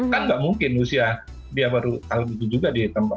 kan gak mungkin usia dia baru hal itu juga di tempat